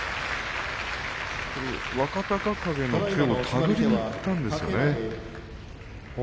若隆景の手を手繰りにいったんですね。